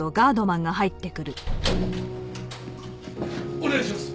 お願いします！